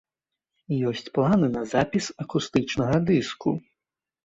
Ёсць планы на запіс акустычнага дыску.